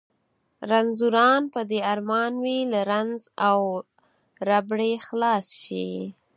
رنځوران په دې ارمان وي له رنځ او ربړې خلاص شي.